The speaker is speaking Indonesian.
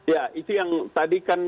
ya itu yang tadi kan